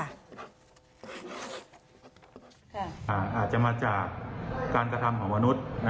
อาจจะมาจากการกระทำของมนุษย์